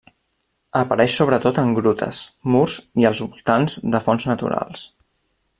Apareix sobretot en grutes, murs i als voltants de fonts naturals.